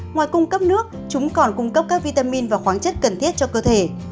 ngoài cung cấp nước chúng còn cung cấp các vitamin và khoáng chất cần thiết cho cơ thể